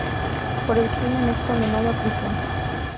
Por el crimen es condenado a prisión.